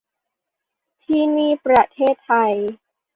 ที่นี่ประเทศไทย